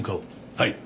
はい。